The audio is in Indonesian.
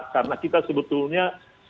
karena kita sebetulnya